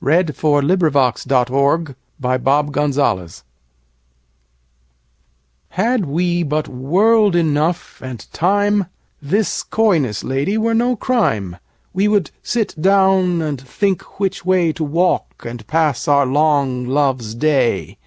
1621–1678 357. To His Coy Mistress HAD we but world enough, and time, This coyness, Lady, were no crime We would sit down and think which way To walk and pass our long love's day.